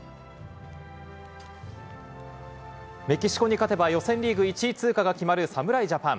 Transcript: メキシコに勝てば、予選リーグ１位通過が決まる侍ジャパン。